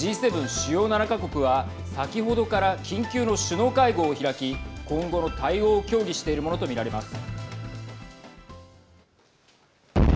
＝主要７か国は先ほどから緊急の首脳会合を開き今後の対応を協議しているものと見られます。